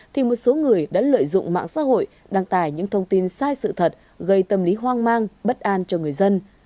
thì một số người đã lợi dụng mạng xã hội đăng tải những thông tin sai sự thật gây tâm lý hoang mang bất an cho người dân